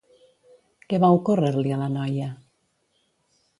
Què va ocórrer-li a la noia?